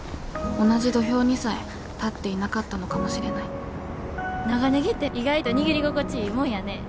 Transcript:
同じ土俵にさえ立っていなかったのかもしれない長ネギって意外と握り心地いいもんやね。